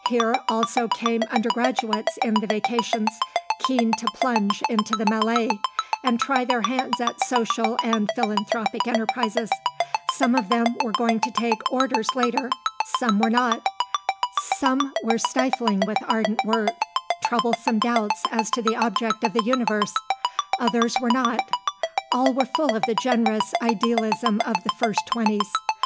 Here also came undergraduates in the vacations, keen to plunge into the mêlée, and try their hands at social and philanthropic enterprises; some of them were going to take Orders later, some were not; some were stifling with ardent work troublesome doubts as to the object of the universe, others were not; all were full of the generous idealism of the first twenties.